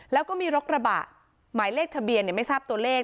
แล้วก็มีรถกระบะหมายเลขทะเบียนไม่ทราบตัวเลข